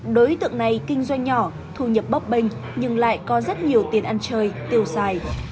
đối tượng này kinh doanh nhỏ thu nhập bấp bênh nhưng lại có rất nhiều tiền ăn chơi tiêu xài